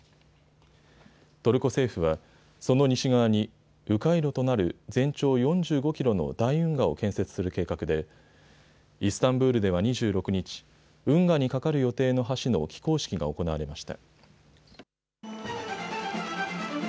トルコ政府はその西側にう回路となる全長４５キロの大運河を建設する計画でイスタンブールでは２６日、運河に架かる予定の橋の起工式が行われました。